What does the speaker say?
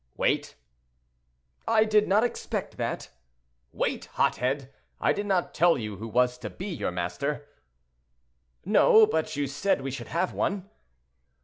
"Wait!" "I did not expect that." "Wait, hot head! I did not tell you who was to be your master." "No; but you said we should have one."